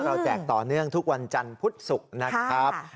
แจกต่อเนื่องทุกวันจันทร์พุธศุกร์นะครับ